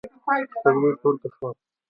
سپوږمۍ پورته شوه.